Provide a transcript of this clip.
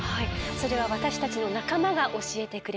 それは私たちの仲間が教えてくれます。